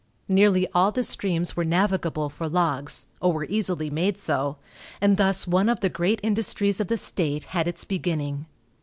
Nearly all the streams were navigable for logs, or were easily made so, and thus one of the great industries of the state had its beginning.